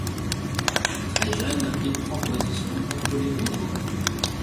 Très jeune il prend position contre les Bourbons.